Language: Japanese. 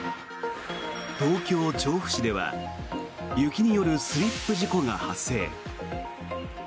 東京・調布市では雪によるスリップ事故が発生。